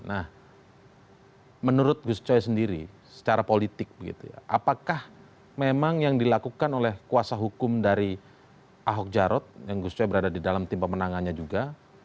nah menurut gus coy sendiri secara politik begitu ya apakah memang yang dilakukan oleh kuasa hukum dari ahok jarot yang gus coy berada di dalam tim pemenangannya juga